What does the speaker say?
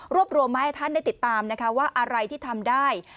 รวมมาให้ท่านได้ติดตามนะคะว่าอะไรที่ทำได้